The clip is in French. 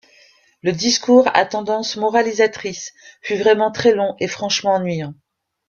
Le discours à tendance moralisatrice fut vraiment très long et franchement ennuyant.